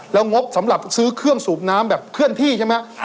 แล้วงบสำหรับซื้อเครื่องสูบน้ำแบบเคลื่อนที่ใช่ไหม